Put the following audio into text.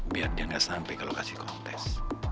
biar dia nggak sampai ke lokasi kontes